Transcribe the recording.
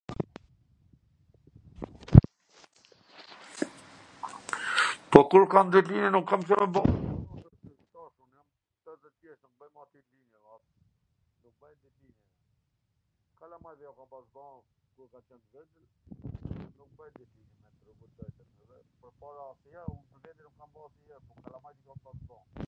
Po kur kam ditlindjen un nuk kam Ca me bo? ... Thash jam shtatdhet vjeC, nuk baj ma ditlindje, nuk baj ditlindje, kalamajve jua kam pas ba kur kan qwn t vegjwl, nuk bwj ditlindje... pwrpara asnjwher, un pwr vete s e kam bo asnjwher, po kalamajve jua kam bo....